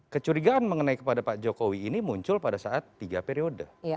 kecurigaan mengenai kepada pak jokowi ini muncul pada saat tiga periode